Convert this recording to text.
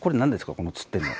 このつってるのは。